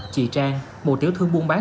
chị trang một tiểu thương buôn bán